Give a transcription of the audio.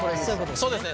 そうですね